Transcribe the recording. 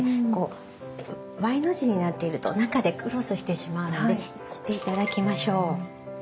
こうＹの字になっていると中でクロスしてしまうので切って頂きましょう。